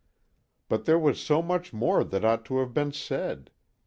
But there was so much more that ought to have been said!